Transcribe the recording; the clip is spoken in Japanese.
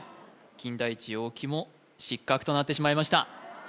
金田一央紀も失格となってしまいました